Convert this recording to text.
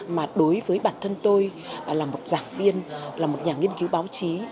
mà đối với bản thân tôi là một giảng viên là một nhà nghiên cứu báo chí